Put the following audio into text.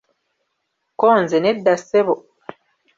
Ko nze Nedda Ssebo".